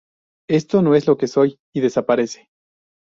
Esto no es lo que soy" y desaparece.